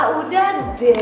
papa udah deh